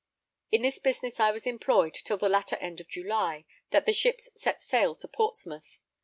In this business I was employed till the latter end of July, that the ships set sail to Portsmouth.